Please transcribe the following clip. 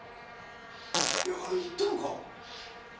やはり行ったのか？